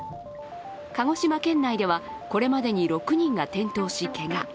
鹿児島県内ではこれまでに６人が転倒し、けが。